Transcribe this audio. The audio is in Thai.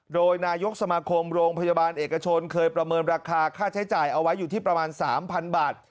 โดยนายกสมาคมโรงพยาบาลเอกชนเคยประเมินราคาค่าใช้จ่ายเอาไว้อยู่ที่ประมาณ๓๐๐๐บาท